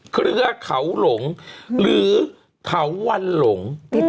เครือเขาหลงหรือเขาวันหลง